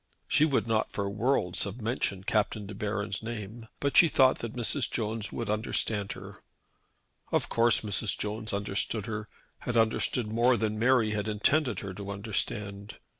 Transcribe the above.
She would not for worlds have mentioned Captain De Baron's name; but she thought that Mrs. Jones would understand her. Of course Mrs. Jones understood her, had understood more than Mary had intended her to understand.